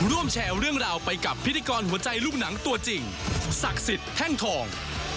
แชร์เรื่องราวไปกับพิธีกรหัวใจลูกหนังตัวจริงศักดิ์สิทธิ์แท่งทอง